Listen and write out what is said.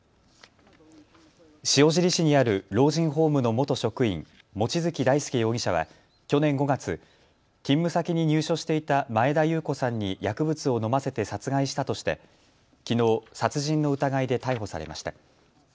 塩尻市にある老人ホームの元職員、望月大輔容疑者は去年５月、勤務先に入所していた前田裕子さんに薬物を飲ませて殺害したとしてきのう殺人の疑いで逮捕されました。